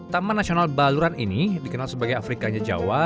taman nasional baluran ini dikenal sebagai afrikanya jawa